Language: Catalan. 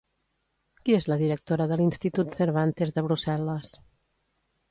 Qui és la directora de l'Institut Cervantes de Brussel·les?